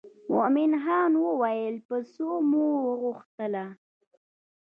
مومن خان وویل په څو مو وغوښتله.